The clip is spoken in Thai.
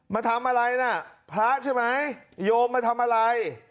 มาทำอะไรน่ะพระใช่ไหมโยมมาทำอะไร